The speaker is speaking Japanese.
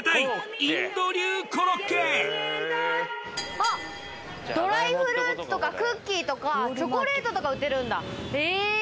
あっドライフルーツとかクッキーとかチョコレートとか売ってるんだへぇ。